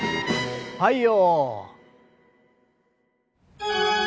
はいよ！